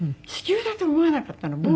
子宮だと思わなかったの。